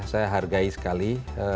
saya hargai sekali